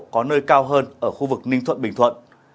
có nơi cao hơn ở khu vực ninh thuận bình thuận